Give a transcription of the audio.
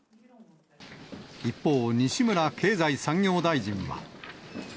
一方、西村経済産業大臣は。